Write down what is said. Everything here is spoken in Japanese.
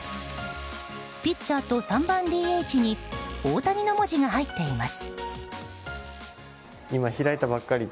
ピッチャーと３番ＤＨに大谷の文字が入っています。